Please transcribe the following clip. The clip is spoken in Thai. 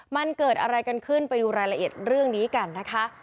มันเกิดอะไรกันขึ้นไปดูรายละเอียดเรื่องนี้กันนะคะ